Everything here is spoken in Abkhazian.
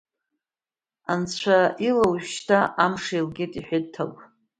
Анцәа ила уажәшьҭа амш еилгеит, — иҳәеит Тагә.